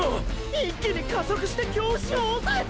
一気に加速して京伏をおさえた！！